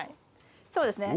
そうですね。